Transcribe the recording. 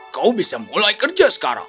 kau bisa mulai kerja sekarang